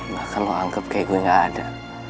bahkan lo anggap kayak gue gak ada